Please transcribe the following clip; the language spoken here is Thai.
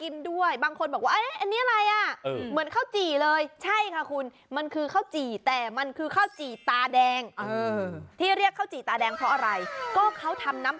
มันใหญ่ขนาดนี้เลยเหรอทำชำ